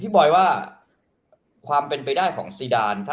บอยว่าความเป็นไปได้ของซีดาน